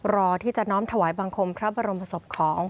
รอที่จะน้อมถวายบังคมพระบรมศพของ